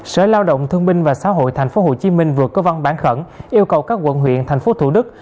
sở lao động thương minh và xã hội tp hcm vượt cơ văn bản khẩn yêu cầu các quận huyện tp thủ đức